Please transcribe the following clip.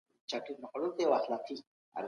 یو کس په مسلک کې بریالی کېږي.